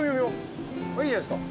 いいじゃないですか。